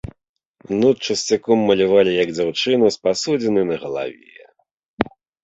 Нут часцяком малявалі як дзяўчыну з пасудзінай на галаве.